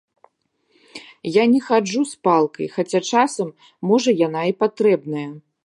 Я не хаджу з палкай, хаця часам можа яна і патрэбная.